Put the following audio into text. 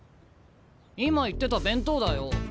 今言ってた弁当だよ。